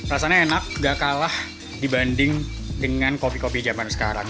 rasanya enak gak kalah dibanding dengan kopi kopi zaman sekarang